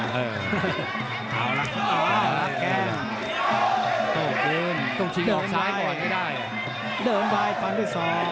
ถ้าขึ้นต้องชิงออกซ้ายก่อนไม่ได้